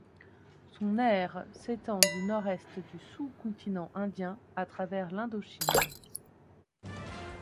Son aire s'étend du nord-est du sous-continent indien à travers l'Indochine.